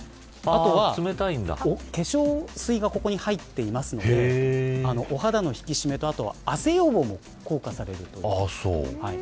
あとは化粧水がここに入っていますのでお肌の引き締めと汗予防も効果があるそうです。